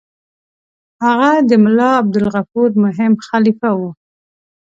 هغه د ملا عبدالغفور مهم خلیفه وو.